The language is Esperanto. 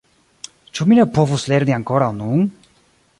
Ĉu mi ne povus lerni ankoraŭ nun?